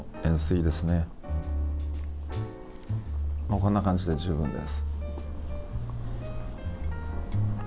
こんな感じで十分です。